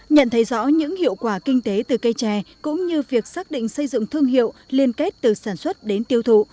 nhận thấy rõ những hiệu quả kinh tế từ cây trè cũng như việc xác định xây dựng thương hiệu liên kết từ sản xuất đến tiêu thụ